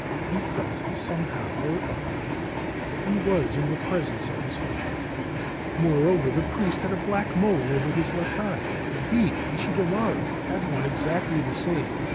He felt somehow or other that he was in the presence of his father. Moreover, the priest had a black mole over his left eye, and he, Ishidomaro, had one exactly the same.